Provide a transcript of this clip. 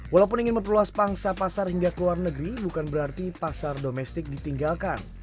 walaupun ingin memperluas pangsa pasar hingga ke luar negeri bukan berarti pasar domestik ditinggalkan